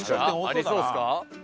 ありそうですか？